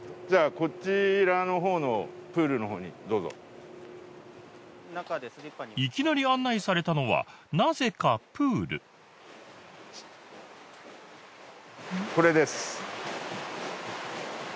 こちらの方のプールの方にどうぞいきなり案内されたのはなぜかプールこれです